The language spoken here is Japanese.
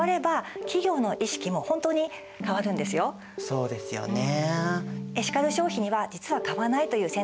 そうですよね。